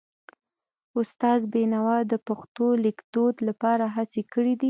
استاد بینوا د پښتو لیکدود لپاره هڅې کړې دي.